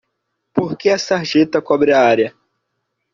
Por que a sarjeta cobre a área?